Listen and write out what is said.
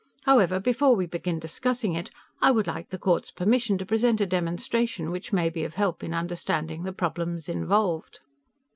However, before we begin discussing it, I would like the court's permission to present a demonstration which may be of help in understanding the problems involved."